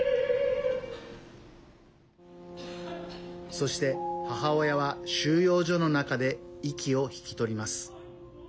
そして、母親は収容所の中で息を引き取ります。